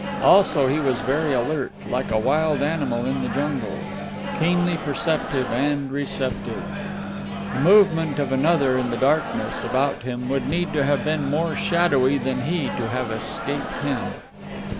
Also he was very alert, like a wild animal in the jungle, keenly perceptive and receptive. The movement of another in the darkness about him would need to have been more shadowy than he to have escaped him.